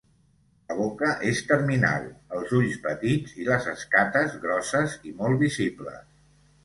La boca és terminal, els ulls petits, i les escates grosses i molt visibles.